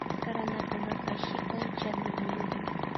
Karanakunaka shikan chaniyukmi.